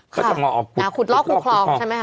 ก็จะงอออกคุดลอกกูคลองคุดลอกกูคลองใช่ไหมฮะ